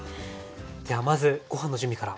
ではまずご飯の準備から。